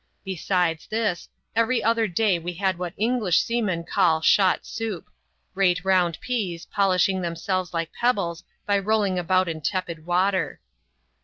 Besides this, every other day we had what English seamen call " shot soup *'— great round peas, polishing themselves like pebbles by rolling about in tepid water.